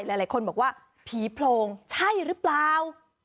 หลายคนบอกว่าผีโพรงใช่หรือเปล่า